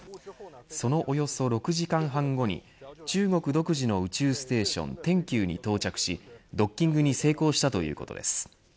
そのおよそ６時間半後に中国独自の宇宙ステーション天宮に到着しドッキングに成功したということです。